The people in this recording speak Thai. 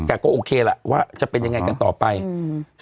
แต่ก็โอเคล่ะว่าจะเป็นยังไงกันต่อไปอืม